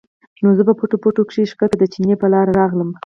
نو زۀ پۀ پټو پټو کښې ښکته د چینې پۀ لاره راغلم